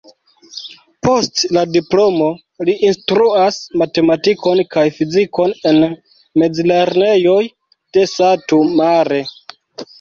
Post la diplomo li instruas matematikon kaj fizikon en mezlernejoj de Satu Mare.